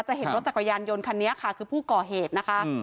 เห็นรถจักรยานยนต์คันนี้ค่ะคือผู้ก่อเหตุนะคะ